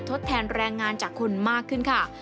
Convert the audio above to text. ทดแทนแรงงานจากคนมากขึ้นค่ะ